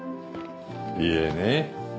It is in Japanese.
いえね